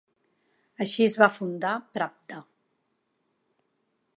Així, es va fundar "Pravda".